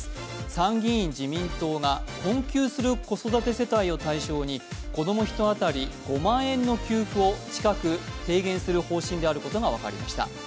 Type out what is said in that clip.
参議院自民党が困窮する子育て世帯を対象に子供１人当たり５万円の給付を近く提言方針であることが分かりました。